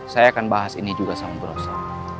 saya akan bahas ini juga sama brosa